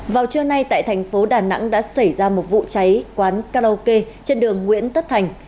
vào trưa nay tại thành phố đà nẵng đã xảy ra một vụ cháy quán karaoke trên đường nguyễn tất thành